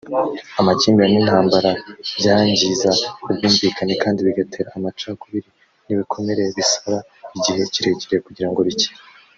amakimbirane n’intambara byangiza ubwumvikane kandi bigatera amacakubiri n’ibikomere bisaba igihe kirekire kugira ngo bikire